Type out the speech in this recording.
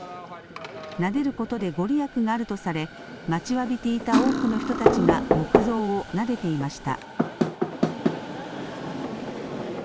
なでることでご利益があるとされ、待ちわびていた多くの人たちが木像をなでていました。